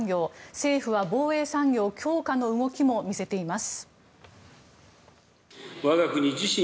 政府は防衛産業強化の動きも見せています。